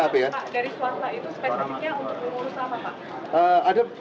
dari suara itu spesifiknya untuk pengurusan apa pak